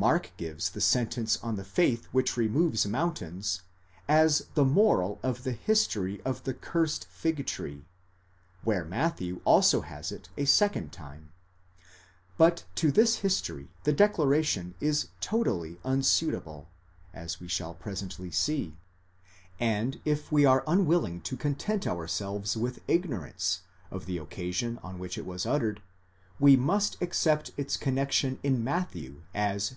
Mark gives the sentence on the faith which removes mountains as the moral of the history of the cursed fig tree, where Matthew also has it a second time. But to this history the declaration is totally unsuitable, as we shall presently see; and if we are unwilling to content ourselves with ignorance of the occasion on which it was uttered, we must accept its connexion in Matthew as the.